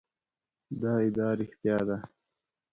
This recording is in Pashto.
دا ادعا رښتیا ده.